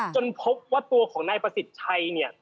พบว่าตัวของนายประสิทธิ์ชัยเนี่ย